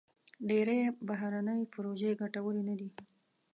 ډېری بهرني پروژې ګټورې نه دي.